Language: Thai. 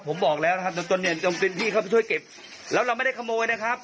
ผมบอกแล้วนะครับจนเนี่ยจนเป็นพี่เข้าไปช่วยเก็บแล้วเราไม่ได้ขโมยนะครับ